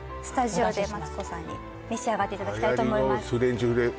スタジオでマツコさんに召し上がっていただきたいと思います